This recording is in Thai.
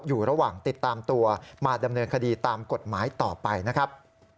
อยู่ระหว่างติดตามตัวมาดำเนินคดีตามกฎหมายต่อไปนะครับ